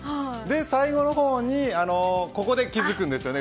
最後の方にここで気付くんです。